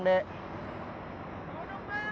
mau dong pak